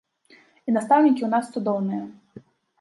І настаўнікі ў нас цудоўныя.